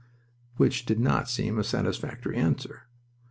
which did not seem a satisfactory answer.